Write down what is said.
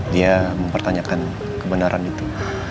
dia mempertanyakan kebenaran itu